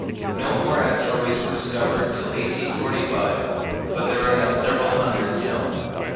No more asteroids were discovered till 1845, but there are now several hundreds known.